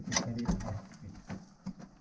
ได้ครับ